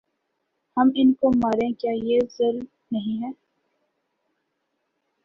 ہم ان کو ماریں کیا یہ ظلم نہیں ہے ۔